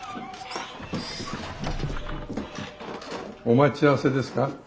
お待ち合わせですか？